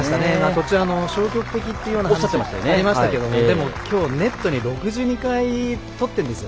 途中消極的ってありましたけど今日、ネット６２回取っているんですよ